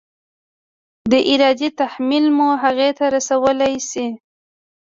د ارادې تحمیل مو هغې ته رسولی شي؟